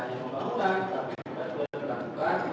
pembangunan tapi juga dua pergabungan